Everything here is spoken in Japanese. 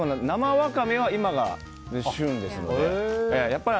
生ワカメは今が旬ですので。